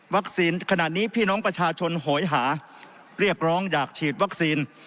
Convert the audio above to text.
ขณะนี้พี่น้องประชาชนโหยหาเรียกร้องอยากฉีดวัคซีน